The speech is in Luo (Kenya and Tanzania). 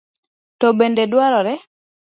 To bende dwarore